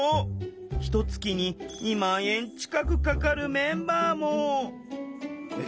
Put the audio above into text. ひとつきに２万円近くかかるメンバーもえ！